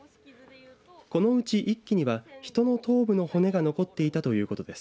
このうち１基には人の頭部の骨が残っていたということです。